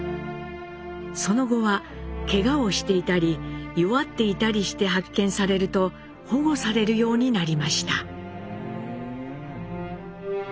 その後はケガをしていたり弱っていたりして発見されると保護されるようになりました。